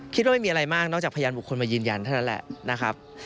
ไม่มีอะไรมากนอกจากพยานบุคคลมายืนยันเท่านั้นแหละนะครับ